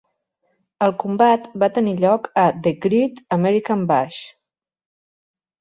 El combat va tenir lloc a The Great American Bash.